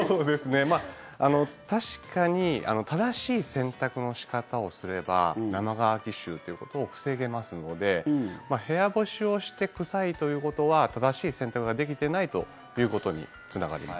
確かに正しい洗濯の仕方をすれば生乾き臭ということを防げますので部屋干しをして臭いということは正しい洗濯ができてないということにつながります。